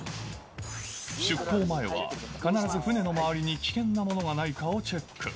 出航前は、必ず船の周りに危険なものがないかをチェック。